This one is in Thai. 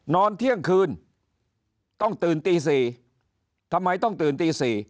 นอนเที่ยงคืนต้องตื่นตี๔ทำไมต้องตื่นตี๔